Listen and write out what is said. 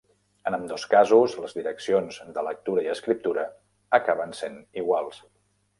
En ambdós casos, les direccions de lectura i escriptura acaben sent iguals.